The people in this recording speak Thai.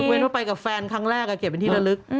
เดี๋ยวกูเห็นว่าไปกับแฟนครั้งแรกอ่ะเกลียดเป็นที่ละลึก